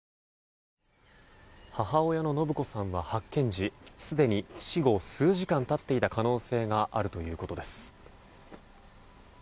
母親の延子さんは発見時すでに死後数時間経っていた可能性があるということです。